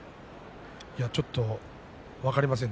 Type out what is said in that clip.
ちょっと分かりませんね